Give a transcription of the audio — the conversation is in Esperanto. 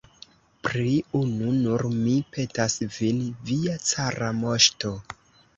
Pri unu nur mi petas vin, via cara moŝto!